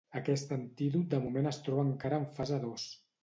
Aquest antídot de moment es troba encara en fase dos.